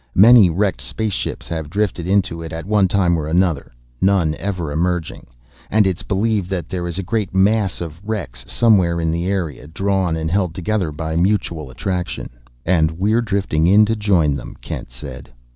Many wrecked space ships have drifted into it at one time or another, none ever emerging; and it's believed that there is a great mass of wrecks somewhere in the area, drawn and held together by mutual attraction." "And we're drifting in to join them," Kent said.